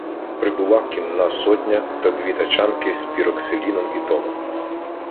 Прибула кінна сотня та дві тачанки з піроксиліном і толом.